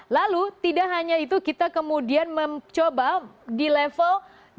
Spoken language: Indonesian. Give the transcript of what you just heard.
lalu tidak hanya itu kita kemudian mencoba di level dua ribu delapan ratus tiga puluh